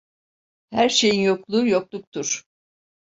Her şeyin yokluğu yokluktur.